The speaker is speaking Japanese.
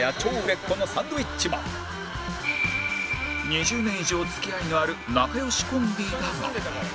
２０年以上付き合いがある仲良しコンビだが